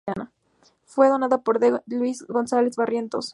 Fue donada por D. Luis González Barrientos y Dña.